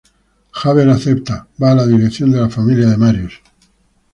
Javert acepta, va a la dirección de la familia de Marius.